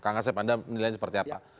kak kasem anda menilainya seperti apa